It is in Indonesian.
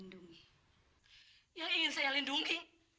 ada seseorang yang ingin saya lindungi